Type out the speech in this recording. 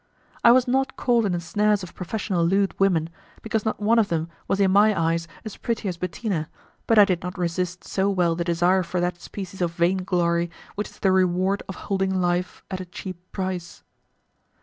I was not caught in the snares of professional lewd women, because not one of them was in my eyes as pretty as Bettina, but I did not resist so well the desire for that species of vain glory which is the reward of holding life at a cheap price.